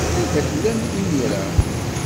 Anda tellam imir-a?